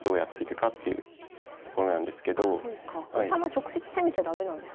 直接攻めちゃ駄目なんですね。